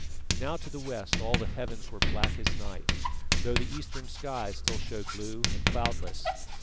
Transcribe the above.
Now to the west all the heavens were black as night, though the eastern sky still showed blue and cloudless.